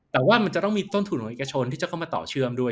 แต่ว่ามันจะต้องมีต้นทุนของเอกชนที่จะเข้ามาต่อเชื่อมด้วย